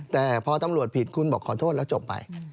แต่พอตำรวจผิดคุณบอกขอโทษแล้วจบไป